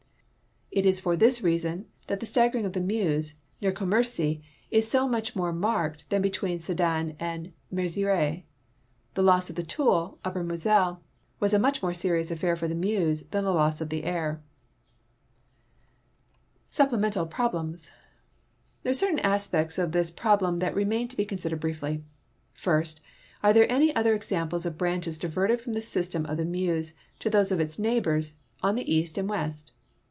It is for this reason that the staggering of the Meuse near Commercy is so much more marked than between Sedan and Mezieres. The loss of the Toul (upper Moselle) was a much more serious affair for the Meuse than the loss of the Aire. Sapideinentarij problems. — There are certain aspects of this ])rol) lem tliat remain to be considered briefly. First, are there any other examples of branches diverted from the system of the Meuse to those of its neighliors on the west and east?